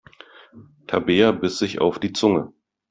Tabea biss sich auf die Zunge.